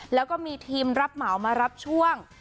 แล้วก็มีทีมรับเหมามารับช่วง